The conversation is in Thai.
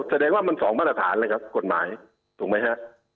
แสดงว่ามันสองมาตรฐานเลยครับกฎหมายถูกไหมฮะ